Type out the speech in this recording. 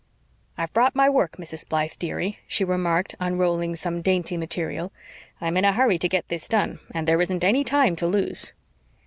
"I've brought my work, Mrs. Blythe, dearie," she remarked, unrolling some dainty material. "I'm in a hurry to get this done, and there isn't any time to lose."